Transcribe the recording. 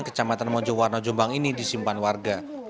kecamatan mojo warna jombang ini disimpan warga